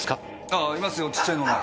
あぁいますよ。ちっちゃいのが。